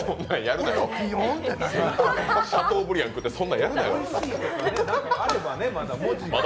シャトーブリアン食ってそんなんやるなよ。